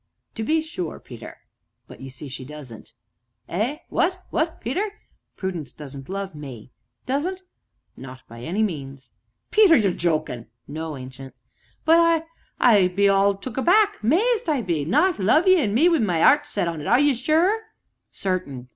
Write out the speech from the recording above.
"To be sure, Peter." "But, you see, she doesn't." "Eh what? What, Peter?" "Prudence doesn't love me!" "Doesn't " "Not by any means." "Peter ye're jokin'." "No, Ancient." "But I I be all took aback mazed I be not love ye, an' me wi' my 'eart set on it are ye sure?" "Certain."